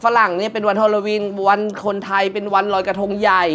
หลังเนี่ยเป็นวันฮอโลวินวันคนไทยเป็นวันรอยกระทงใหญ่